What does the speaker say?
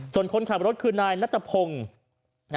ส่วนคนขับรถคือนายนัทพงศ์